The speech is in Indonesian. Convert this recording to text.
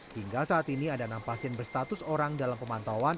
hingga saat ini ada enam pasien berstatus orang dalam pemantauan